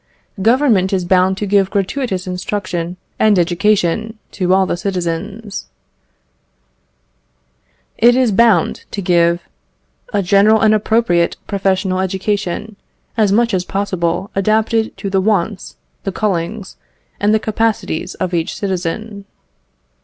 "Government is bound to give gratuitous instruction and education to all the citizens." It is bound to give "A general and appropriate professional education, as much as possible adapted to the wants, the callings, and the capacities of each citizen."